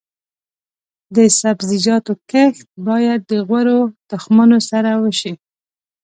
د سبزیجاتو کښت باید د غوره تخمونو سره وشي.